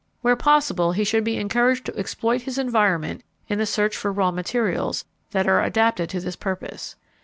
Where possible he should be encouraged to exploit his environment in the search for raw materials that are adapted to this purpose.